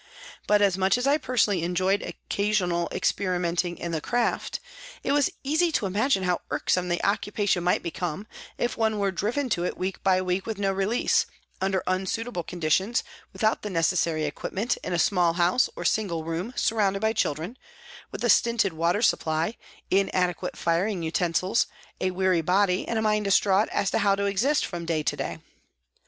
But much as I personally enjoyed occasional experimenting in the craft, it was easy to imagine how irksome the occupation might become if one were driven to it week by week with no release, under unsuitable conditions, without the necessary equipment, in a small house or single room, surrounded by children, with a stinted water supply, inadequate firing utensils, a weary body and a mind distraught as to how to exist from day to day.